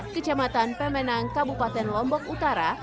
kecamatan pemenang kabupaten lombok utara